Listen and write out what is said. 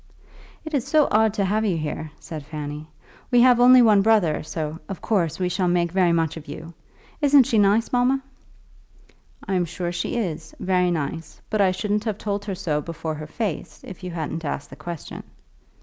"It is so odd to have you here," said Fanny. "We have only one brother, so, of course, we shall make very much of you. Isn't she nice, mamma?" "I'm sure she is; very nice. But I shouldn't have told her so before her face, if you hadn't asked the question."